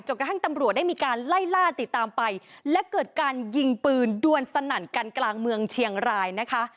กระทั่งตำรวจได้มีการไล่ล่าติดตามไปและเกิดการยิงปืนดวนสนั่นกันกลางเมืองเชียงรายนะคะ